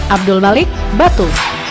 abdul balik batu